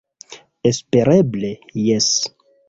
Espereble jes.